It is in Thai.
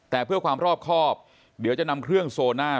แต่เพื่อความรอบครอบเดี๋ยวจะนำเครื่องโซน่า